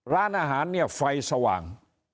ร้านอาหารเนี่ยไฟสว่าง